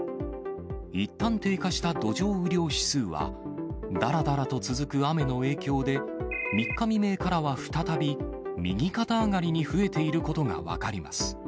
いったん低下した土壌雨量指数は、だらだらと続く雨の影響で、３日未明からは再び、右肩上がりに増えていることが分かります。